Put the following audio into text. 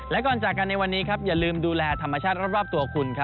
และก่อนจากกันในวันนี้ครับอย่าลืมดูแลธรรมชาติรอบตัวคุณครับ